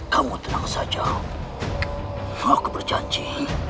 kamu tenang saja kamu aku berjanji